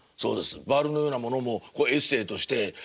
「バールのようなもの」もエッセーとして何だろう